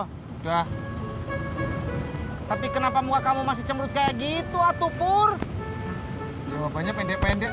hai udah tapi kenapa muka kamu masih cemerut kayak gitu atuh pur jawabannya pendek pendek